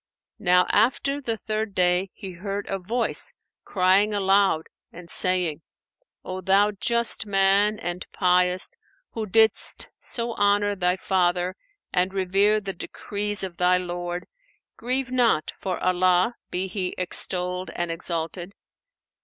Now after the third day, he heard a voice crying aloud and saying, "O thou just man, and pious, who didst so honour thy father and revere the decrees of thy Lord, grieve not, for Allah (be He extolled and exalted!)